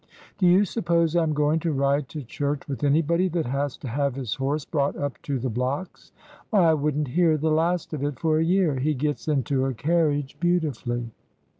Do you suppose I am going to ride to church with anybody that has to have his horse brought up to the blocks ? Why, I would n't hear the last of it for a year ! He gets into a carriage beautifully."